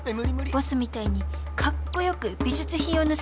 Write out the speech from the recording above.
ボスみたいにかっこよく美術品を盗みたいんです。